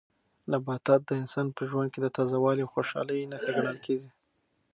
نباتات د انسان په ژوند کې د تازه والي او خوشالۍ نښه ګڼل کیږي.